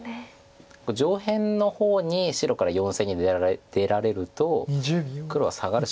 上辺の方に白から４線に出られると黒はサガるしかないんですよね。